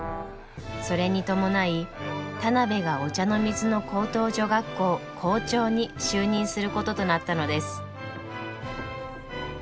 それに伴い田邊が御茶ノ水の高等女学校校長に就任することとなったのです。